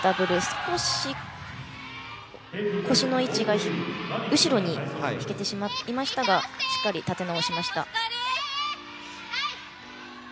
少し腰の位置が後ろに引けてしまっていましたがしっかり立て直しました。